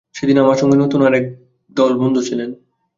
সেদিন আমার সঙ্গে নূতন আর একদল বন্ধু ছিলেন।